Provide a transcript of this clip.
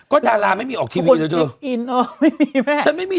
ก็ดาราไม่มีออกทีวี